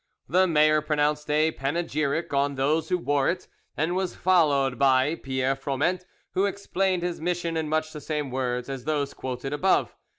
The mayor pronounced a panegyric on those who wore it, and was followed by Pierre Froment, who explained his mission in much the same words as those quoted above.